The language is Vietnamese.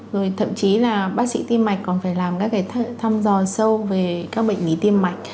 rồi thậm chí là bác sĩ tim mạch còn phải làm các cái thăm dò sâu về các bệnh lý tim mạch